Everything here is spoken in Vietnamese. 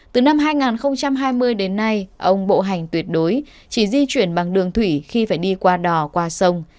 từ năm hai nghìn hai mươi đến nay ông bộ hành tuyệt đối chỉ di chuyển bằng đường thủy khi phải đi qua đò qua sông